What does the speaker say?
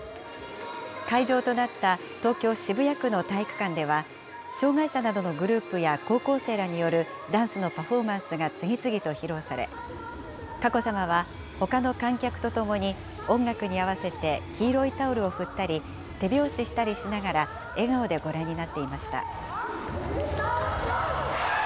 会場となった東京・渋谷区の体育館では、障害者などのグループや高校生らによるダンスのパフォーマンスが次々と披露され、佳子さまは、ほかの観客とともに、音楽に合わせて黄色いタオルを振ったり、手拍子したりしながら、笑顔でご覧になっていました。